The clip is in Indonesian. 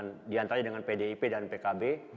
dan kita berkoalisi diantaranya dengan pdip dan pkb